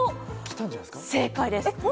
正解です！